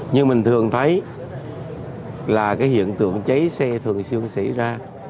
như mình thường thấy là cái hiện tượng cháy xe thường xuyên xảy ra